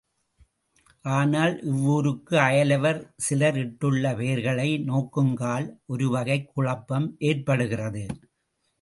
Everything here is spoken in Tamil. ஆனால், இவ்வூருக்கு அயலவர் சிலர் இட்டுள்ள பெயர்களை நோக்குங்கால் ஒரு வகைக் குழப்பம் ஏற்படுகிறது.